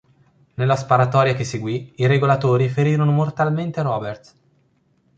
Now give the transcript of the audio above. Nella sparatoria che seguì i regolatori ferirono mortalmente Roberts.